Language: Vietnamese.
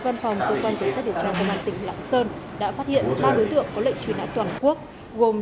văn phòng công an tỉnh lãng sơn đã phát hiện ba đối tượng có lệnh truy nã toàn quốc gồm